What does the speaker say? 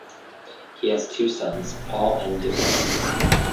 He has two sons, Paul and Devon.